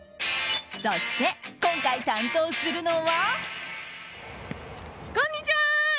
そして今回、担当するのは。